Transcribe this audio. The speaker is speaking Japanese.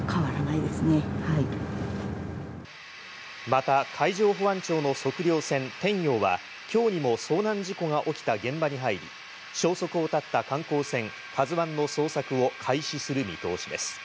また海上保安庁の測量船「天洋」は今日にも遭難事故が起きた現場に入り、消息を絶った観光船「ＫＡＺＵ１」の捜索を開始する見通しです。